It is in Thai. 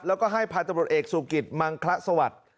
แล้วก็ให้ผ่านตำรวจเอกสูงกิจมังคละสวัสดิ์